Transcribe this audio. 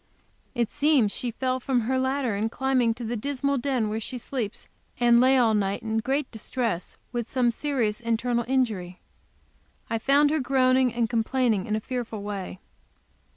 It seems she fell from her ladder in climbing to the dismal den where she sleeps, and lay all night in great distress with some serious internal injury. I found her groaning and complaining in a fearful way.